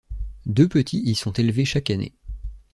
Deux petits y sont élevés chaque année.